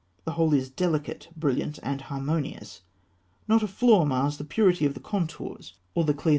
The whole is delicate, brilliant, and harmonious; not a flaw mars the purity of the contours or the clearness of the lines.